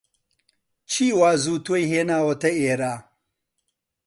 چی وا زوو تۆی هێناوەتە ئێرە؟